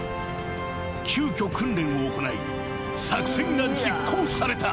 ［急きょ訓練を行い作戦が実行された］